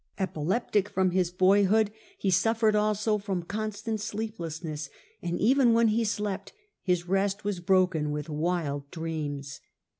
Epileptic from his boyhood, he suffered also ^owcr turned from constant sleeplessness, and even when he slept his rest was broken with wild dreams.